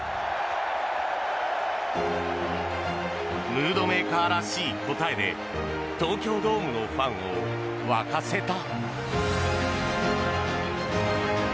ムードメーカーらしい答えで東京ドームのファンを沸かせた。